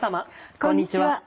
こんにちは。